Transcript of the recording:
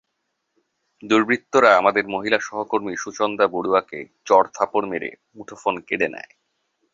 দুর্বৃত্তরা আমাদের মহিলা সহকর্মী সুচন্দা বড়ুয়াকে চড়-থাপড় মেরে মুঠোফোন কেড়ে নেয়।